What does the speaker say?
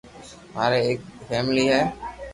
ماري ايڪ فآملي ھي